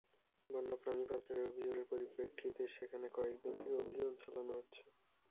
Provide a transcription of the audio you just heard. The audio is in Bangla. বন্য প্রাণী পাচারের অভিযোগের পরিপ্রেক্ষিতে সেখানে কয়েক দিন থেকে অভিযান চালানো হচ্ছে।